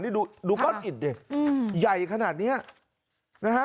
นี่ดูก้อนอิดดิใหญ่ขนาดเนี้ยนะฮะ